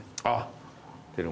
あっ